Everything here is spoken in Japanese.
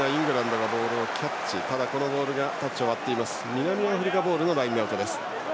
南アフリカボールのラインアウト。